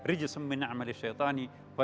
itu perbuatan syaitan jauhi